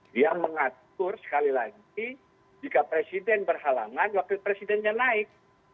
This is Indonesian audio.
dia mengatur sekali lagi jika presiden berhalangan wakil presidennya naik